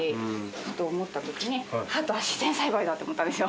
ふと思ったときに自然栽培だ！と思ったんですよ。